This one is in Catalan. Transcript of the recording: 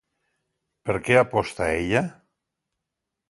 Per què aposta ella?